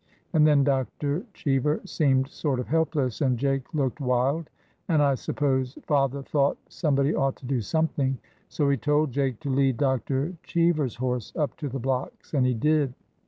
And then Dr. Cheever seemed sort of helpless, and Jake looked wild, and I suppose father thought some body ought to do something, 'SO he told Jake to lead Dr. Cheever's horse up to the blocks, — and he did.